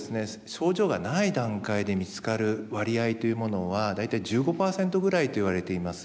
症状がない段階で見つかる割合というものは大体１５％ぐらいと言われています。